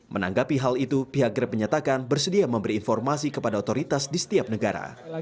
menanggapi hal itu pihak grab menyatakan bersedia memberi informasi kepada otoritas di setiap negara